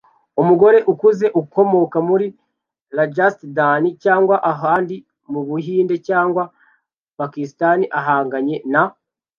Umugore ukuze ukomoka muri Rajasthan cyangwa ahandi mu Buhinde cyangwa Pakisitani ahanganye na kamera yambaye imyenda gakondo